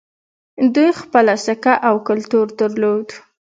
دوی خپله سکه او کلتور درلود